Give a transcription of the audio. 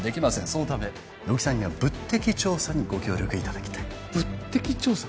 そのため乃木さんには物的調査にご協力いただきたい物的調査？